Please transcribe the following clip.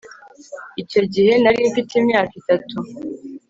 Icyo gihe nari mfite imyaka itatu